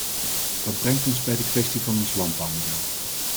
Dat brengt ons bij de kwestie van ons landbouwmodel.